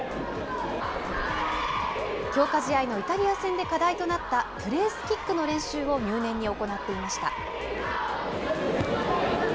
強化試合のイタリア戦で課題となったプレースキックの練習を入念に行っていました。